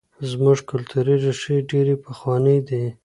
زموږ کلتوري ریښې ډېرې پخوانۍ دي.